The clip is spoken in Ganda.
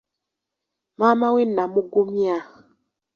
Maama we namugumya.